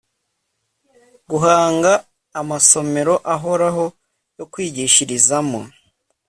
Guhanga amasomero ahoraho yo kwigishirizamo